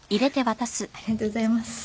ありがとうございます。